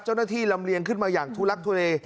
เจ้าหน้าที่ลำเรียนขึ้นมาอย่างทุลักษณ์ทุเร